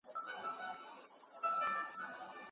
موږ په اختر کې یو بل ته غېږ ورکوو.